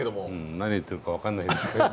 何言ってるか分かんないですけどね。